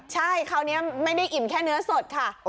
ใช่คราวนี้ไม่ได้อิ่มแค่เนื้อสดค่ะ